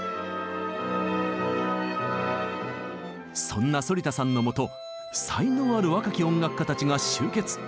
そんな反田さんのもと才能ある若き音楽家たちが集結。